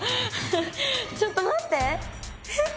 ちょっと待ってえっ？